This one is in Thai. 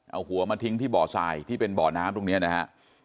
เอาหัวมาทิ้งที่บ่อทรายที่เป็นบ่อน้ำตรงนี้นะฮะ